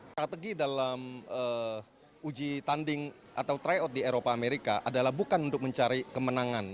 strategi dalam uji tanding atau tryout di eropa amerika adalah bukan untuk mencari kemenangan